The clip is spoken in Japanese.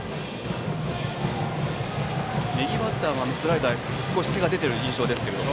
右バッターへのスライダー手が出ている印象ですが。